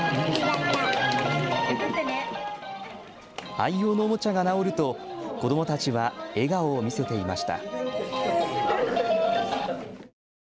愛用のおもちゃが直ると子どもたちは笑顔を見せていました。